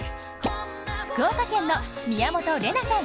福岡県の宮本玲奈さん